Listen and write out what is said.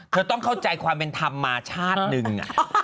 เธอต้องเข้าใจความเป็นธรรมมาชาติหนึ่ง